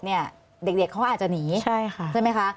เนี้ยเด็กเขาอาจจะหนีใช่ไหมค่ะ